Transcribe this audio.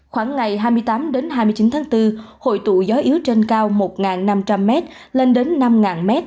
khoảng ngày hai mươi tám hai mươi chín tháng bốn hội tụ gió yếu trên cao một năm trăm linh m lên đến năm m